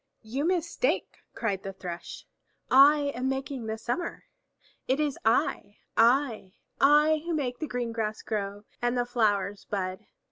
"You mistake," cried the Thrush. "I am making the summer! It is I, I, I who make the green grass grow and the flowers bud.